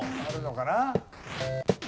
あるのかな？